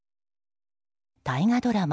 大河ドラマ